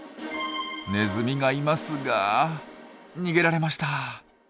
ネズミがいますが逃げられました。